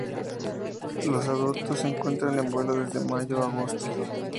Los adultos se encuentran en vuelo desde Mayo a Agosto.